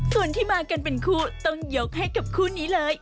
ส่วนที่มากันเป็นคู่ต้องยกให้กับคู่นี้เลย